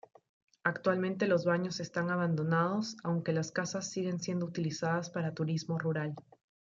Actualmente los baños están abandonados, aunque las casas siguen siendo utilizadas para turismo rural.